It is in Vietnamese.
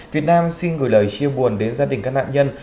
việt nam xin gửi lời chia buồn đến gia đình các nạn nhân